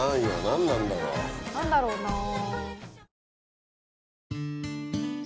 何だろうなぁ。